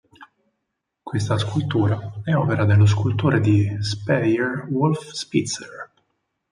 Questa scultura è opera dello scultore di Speyer "Wolf Spitzer".